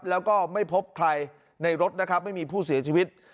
แล้วก็ไม่พบใครในรถนะครับไม่มีผู้เสียชีวิต